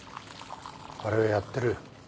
あれはやってる。